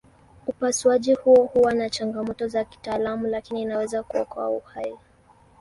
Upasuaji huo huwa na changamoto za kitaalamu lakini inaweza kuokoa uhai.